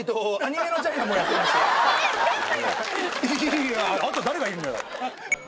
いやあと誰がいるのよ。